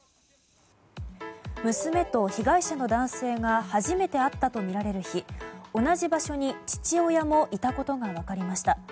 娘と被害者の男性が初めて会ったとみられる日同じ場所に父親もいたことが分かりました。